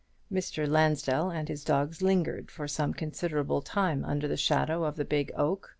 Mr. Lansdell and his dogs lingered for some considerable time under the shadow of the big oak.